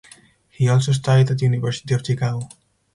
He also studied at University of Chicago.